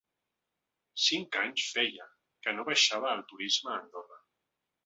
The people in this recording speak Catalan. Cinc anys feia que no baixava el turisme a Andorra.